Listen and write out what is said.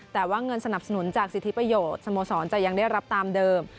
แต่ว่าเงินสนับสนุนจากสิทธิประโยชน์สโมสรจะยังได้รับตามเดิม